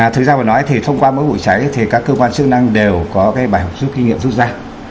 thực ra vừa nói thì thông qua mỗi vụ cháy thì các cơ quan chức năng đều có cái bài học rút kinh nghiệm rút ra